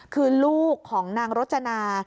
คือลูกของนางรจนา